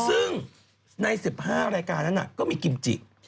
ซึ่งใน๑๕รายการนั้นก็มีกิมจิ